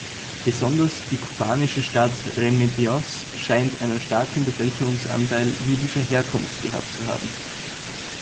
Besonders die kubanische Stadt Remedios scheint einen starken Bevölkerungsanteil jüdischer Herkunft gehabt zu haben.